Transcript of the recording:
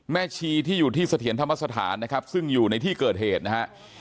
ชีที่อยู่ที่เสถียรธรรมสถานนะครับซึ่งอยู่ในที่เกิดเหตุนะฮะ